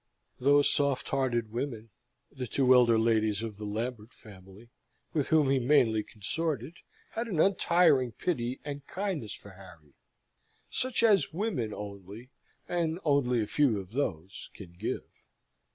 Those soft hearted women, the two elder ladies of the Lambert family, with whom he mainly consorted, had an untiring pity and kindness for Harry, such as women only and only a few of those can give.